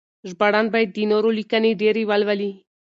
ژباړن باید د نورو لیکنې ډېرې ولولي.